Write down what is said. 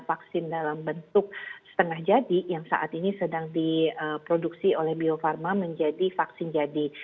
vaksin dalam bentuk setengah jadi yang saat ini sedang diproduksi oleh bio farma menjadi vaksin jadi